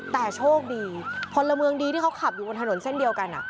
แต่โชคดีพลเมืองดีที่เขาขับอยู่บนถนนเส้นเดียวกัน